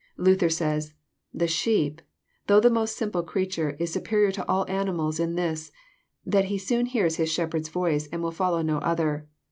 Lather says :The sheep, though the most simple creature, is superior to all animals in this, that he soon hears his shep herd's voice, and will follow no other.